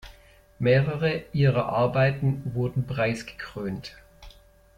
Mehrere ihrer Arbeiten wurden preisgekrönt.